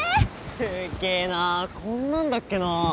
すっげえなあこんなんだっけな。